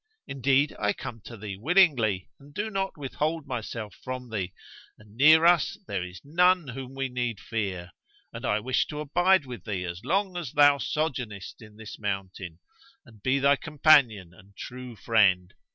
Indeed, I come to thee willingly and do not withhold myself from thee, and near us there is none whom we need fear; and I wish to abide with thee as long as thou sojournest in this mountain, and be thy companion and thy true friend.